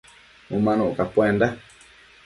Umanuc capuenda